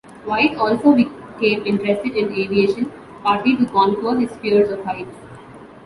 White also became interested in aviation, partly to conquer his fear of heights.